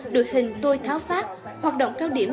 đội hình tôi tháo phát hoạt động cao điểm